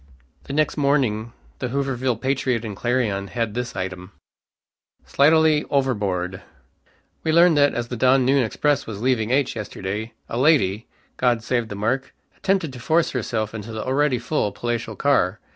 The next morning the Hooverville Patriot and Clarion had this "item": SLIGHTUALLY OVERBOARD. "We learn that as the down noon express was leaving H yesterday a lady! (God save the mark) attempted to force herself into the already full palatial car.